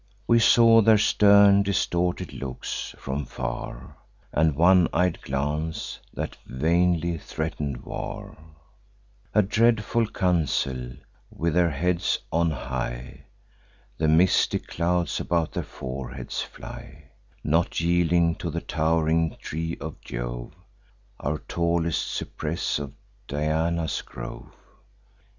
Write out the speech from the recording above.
We saw their stern distorted looks, from far, And one eyed glance, that vainly threaten'd war: A dreadful council, with their heads on high; (The misty clouds about their foreheads fly;) Not yielding to the tow'ring tree of Jove, Or tallest cypress of Diana's grove.